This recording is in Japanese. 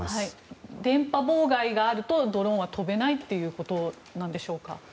電波妨害があるとドローンは飛べないということなんでしょうか？